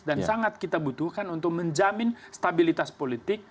dan sangat kita butuhkan untuk menjamin stabilitas politik